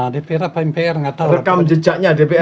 dpr apa mpr nggak tahu rekam jejaknya dpr